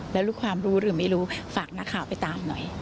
แล้วรู้ความรู้หรือไม่รู้ฝากนักข่าวไปตามหน่อย